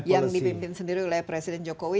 yang dipimpin sendiri oleh presiden jokowi